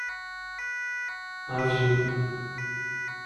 Un vieux.